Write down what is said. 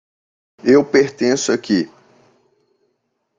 Eu pertenço aqui.